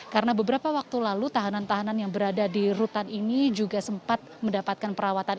karena beberapa waktu lalu tahanan tahanan yang berada di rutan ini juga sempat mendapatkan perawatan